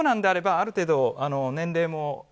長男であれば、ある程度年齢も。